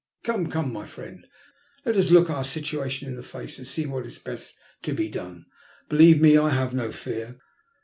Come, come, my friend, let us look our situation in the face and see what is best to be done. Believe me, I have no fear.